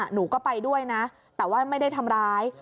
หนูก็ไปด้วยนะแต่ว่าไม่ได้ทำร้าย